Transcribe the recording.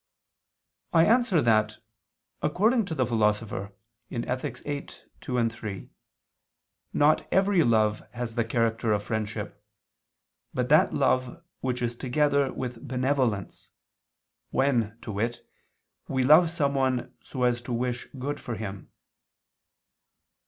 I answer that, According to the Philosopher (Ethic. viii, 2, 3) not every love has the character of friendship, but that love which is together with benevolence, when, to wit, we love someone so as to wish good to him.